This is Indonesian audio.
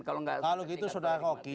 kalau gitu saudara jokowi